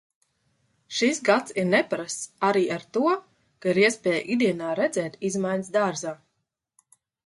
Šis gads ir neparasts arī ar to, ka ir iespēja ikdienā redzēt izmaiņas dārzā.